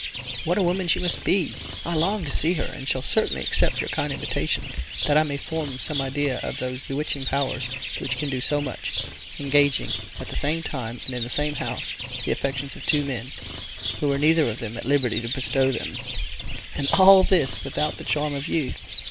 What a woman she must be! I long to see her, and shall certainly accept your kind invitation, that I may form some idea of those bewitching powers which can do so much—engaging at the same time, and in the same house, the affections of two men, who were neither of them at liberty to bestow them—and all this without the charm of youth!